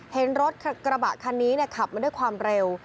เห็นรถกระบะคันนี้ขับมาด้วยความเร็ว